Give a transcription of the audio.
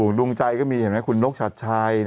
ดวงใจก็มีเห็นไหมคุณนกชัดชัย